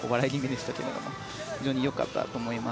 非常に良かったと思います。